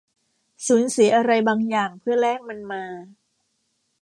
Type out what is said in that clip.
สูญเสียอะไรบางอย่างเพื่อแลกมันมา